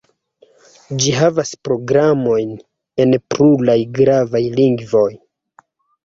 Ĝi havas programojn en pluraj gravaj lingvoj.